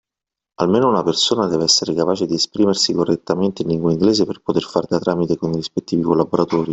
Almeno una persona deve essere capace di esprimersi correttamente in lingua inglese per poter fare da tramite con i rispettivi collaboratori.